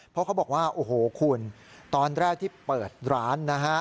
เพราะเขาบอกว่าโอ้โหคุณตอนแรกที่เปิดร้านนะฮะ